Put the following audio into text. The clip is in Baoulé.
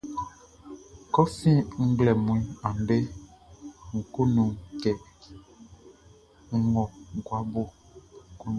Kɛ fin nglɛmun andɛ, nʼkunnu kɛ nʼwɔ gua bo.